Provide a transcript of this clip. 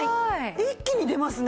一気に出ますね。